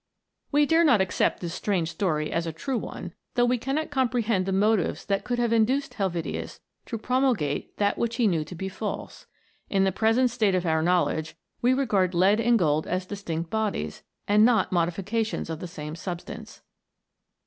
We dare not accept this strange story as a true one, though we cannot comprehend the motives that could have induced Helvetius to promulgate that which he knew to be false. In the present state of our knowledge, we regard lead and gold as distinct bodies, and not modifications of the same substance.